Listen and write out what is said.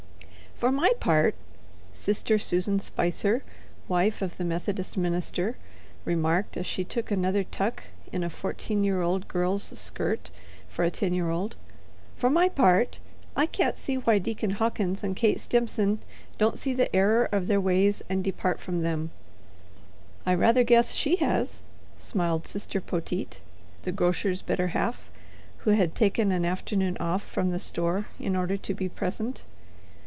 "For my part," Sister Susan Spicer, wife of the Methodist minister, remarked as she took another tuck in a fourteen year old girl's skirt for a ten year old—"for my part, I can't see why Deacon Hawkins and Kate Stimson don't see the error of their ways and depart from them." "I rather guess she has," smiled Sister Poteet, the grocer's better half, who had taken an afternoon off from the store in order to be present.